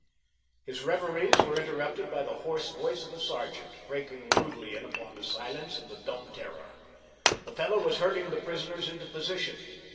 His reveries were interrupted by the hoarse voice of a sergeant, breaking rudely in upon the silence and the dumb terror. The fellow was herding the prisoners into position.